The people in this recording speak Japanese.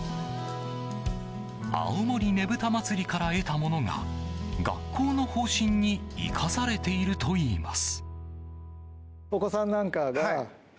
青森ねぶた祭から得たものが学校の方針に生かされているといいます。